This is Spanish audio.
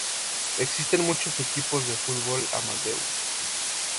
Existen muchos equipos de fútbol amateur.